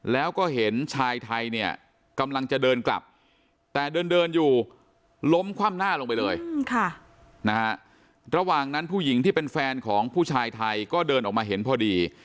แล้วก็เห็นชายไทยเนี่ยกำลังจะเดินกลับแต่เดินอยู่ล้มคว่ำหน้าลงไปเลยนะฮะระหว่างนั้นผู้หญิงที่เป็นแฟนของผู้ชายไทยก็เดินออกมาเห็นพอดี